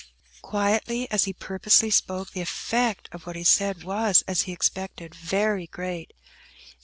Quietly as he purposely spoke, the effect of what he said was, as he expected, very great.